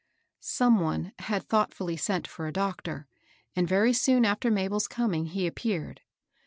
Some one had thoughtfully sent for a doctor, and very soon after Mabel's coming he appeared.